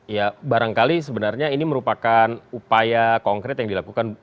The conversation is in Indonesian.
ya barangkali sebenarnya ini merupakan upaya konkret yang dilakukan